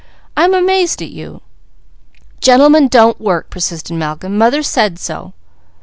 I'm amazed at you!" "Gentlemen don't work!" persisted Malcolm. "Mother said so!"